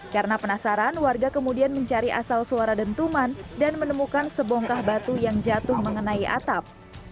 karena penasaran warga kemudian mencari asal suara dentuman dan menemukan sebongkah batu yang jatuh mengenai atap